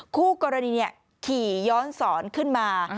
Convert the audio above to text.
คู่กรณีขี่ย้อนสอนขึ้นมา